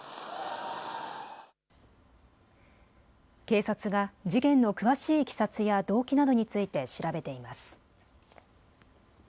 警察が事件の詳しいいきさつや動機などについて調べています。